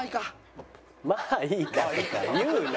「まあいいか」とか言うな。